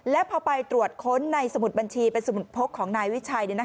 และพอไปตรวจค้นในสมุดบัญชีเป็นสมุดพกของนายวิชัย